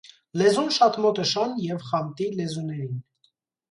Լեզուն շատ մոտ է շան և խամտի լեզուներին։